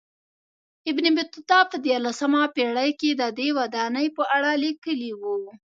ابن بطوطه په دیارلسمه پېړۍ کې ددې ودانۍ په اړه لیکلي و.